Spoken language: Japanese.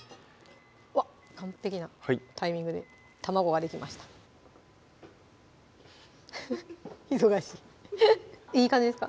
完璧なタイミングで卵ができました忙しいいい感じですか？